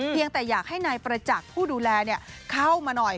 ยังแต่อยากให้นายประจักษ์ผู้ดูแลเข้ามาหน่อย